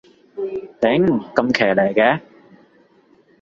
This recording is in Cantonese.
頂，咁騎呢嘅